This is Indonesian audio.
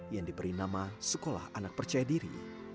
yang diberi nama sekolah anak percaya diri